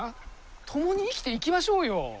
共に生きていきましょうよ！